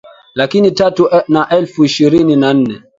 laki tatu na elfu ishirini na nne